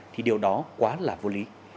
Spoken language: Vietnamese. thì điều đó quá là vô lý